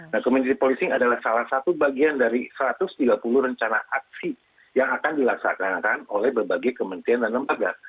nah kementeri polisi adalah salah satu bagian dari satu ratus tiga puluh rencana aksi yang akan dilaksanakan oleh berbagai kementerian dan lembaga